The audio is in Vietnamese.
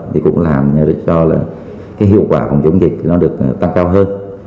thì cũng làm cho là cái hiệu quả phòng chống dịch nó được tăng cao hơn